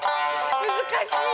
難しいよ。